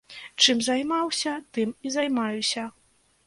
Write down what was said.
Чым займаўся, тым і займаюся.